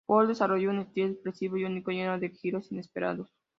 Wolff desarrolló un estilo expresivo y único, lleno de giros inesperados.